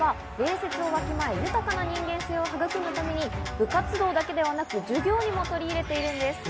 豊かな人間性を育むために部活動だけではなく、授業にも取り入れているんです。